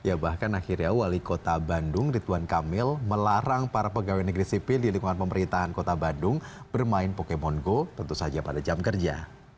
ya bahkan akhirnya wali kota bandung ridwan kamil melarang para pegawai negeri sipil di lingkungan pemerintahan kota bandung bermain pokemon go tentu saja pada jam kerja